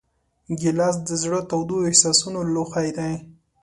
ګیلاس د زړه تودو احساسونو لوښی دی.